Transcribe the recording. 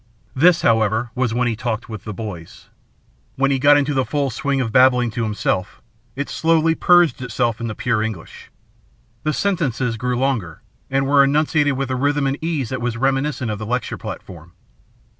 This, however, was when he talked with the boys. When he got into the full swing of babbling to himself, it slowly purged itself into pure English. The sentences grew longer and were enunciated with a rhythm and ease that was reminiscent of the lecture platform.